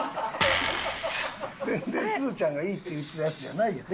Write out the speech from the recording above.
全然すずちゃんが「いい！」って言ってたやつじゃないやん。